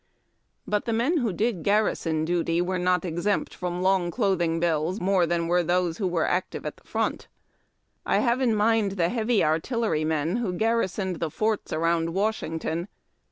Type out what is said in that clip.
But the men who did garrison duty were not exempt from long clothing bills more than were those who were active at the front. I have in mind the heavy artillerymen who orarrisoned the forts around Washington.